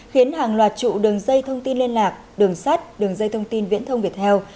khiến hàng loạt trụ đường dây thông tin liên lạc đường sắt đường dây thông tin viễn thông viettel